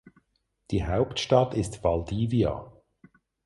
Die Hauptstadt ist Valdivia.